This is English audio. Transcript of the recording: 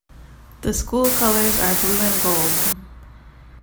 The school colors are blue and gold.